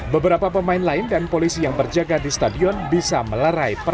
beberapa pemain lain dan polisi yang berjabat tangan tidak terima